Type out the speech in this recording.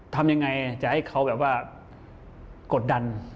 ทำยังไงจะให้เขาแบบว่ากดดัน